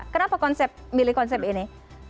kenapa milih konsep ini